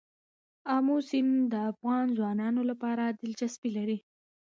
آمو سیند د افغان ځوانانو لپاره دلچسپي لري.